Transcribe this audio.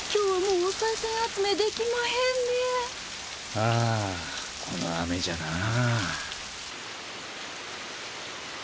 ああこの雨じゃなあ。